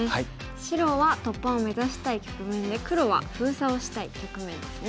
白は突破を目指したい局面で黒は封鎖をしたい局面ですね。